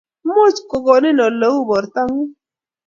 Imuch kokonin Ole uu bortongung?